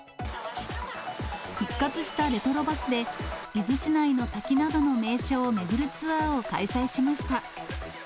復活したレトロバスで、伊豆市内の滝などの名所を巡るツアーを開催しました。